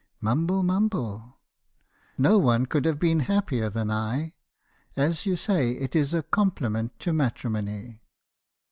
"Mumble, mumble. " 'No one could have been happier than I. As you say, it is a compliment to matrimony.'